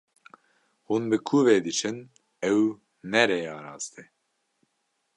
Hûn bi ku ve diçin, ew ne rêya rast e.